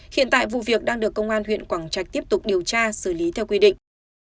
hiện tại vụ việc đang được công an huyện quảng trạch tiếp tục điều tra xử lý theo quy định